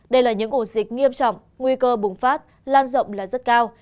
đây là những ổ dịch nghiêm trọng nguy cơ bùng phát lan rộng là rất cao